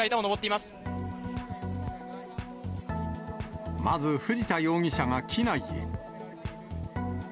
まず藤田容疑者が機内へ。